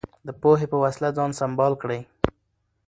د پوهې په وسله ځان سمبال کړئ.